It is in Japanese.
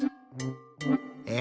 え？